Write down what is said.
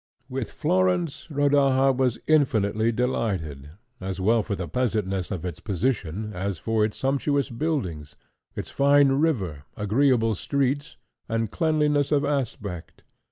With Florence Rodaja was infinitely delighted, as well for the pleasantness of its position as for its sumptuous buildings, its fine river, agreeable streets, and cleanliness of aspect.